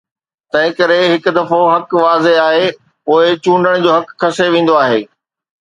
تنهن ڪري، هڪ دفعو حق واضح آهي، پوء چونڊڻ جو حق کسي ويندو آهي.